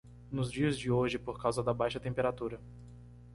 Nos dias de hoje por causa da baixa temperatura